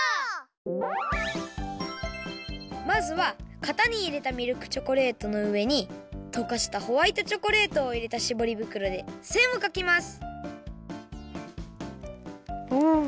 まずはかたにいれたミルクチョコレートのうえにとかしたホワイトチョコレートをいれたしぼり袋でせんをかきます。